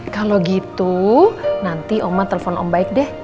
kalau gitu nanti oma telepon ombaik deh